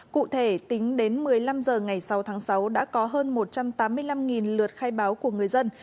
cụ thể tính đến một mươi năm h ngày sáu tháng sáu đã có hơn một trăm tám mươi năm lượt khai báo của người dân